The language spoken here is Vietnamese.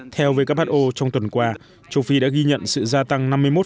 theo who trong tuần qua châu phi đã ghi nhận sự gia tăng năm mươi một số ca bệnh nhiễm mới